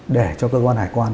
để cho cơ quan hải quan